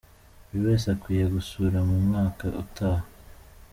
buri wese akwiye gusura mu mwaka utaha.